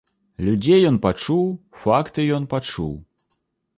Людзей ён пачуў, факты ён пачуў.